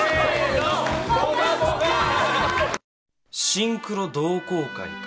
シンクロ同好会か。